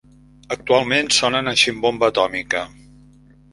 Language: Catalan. Actualment sonen a Ximbomba Atòmica.